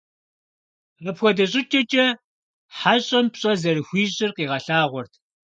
Апхуэдэ щӀыкӀэкӀэ хьэщӀэм пщӀэ зэрыхуищӀыр къигъэлъагъуэрт.